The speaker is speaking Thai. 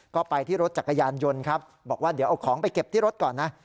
ก็ไปที่รถจักรยานยนต์ครับบอกว่าเดี๋ยวเอาของไปเก็บที่รถก่อนนะ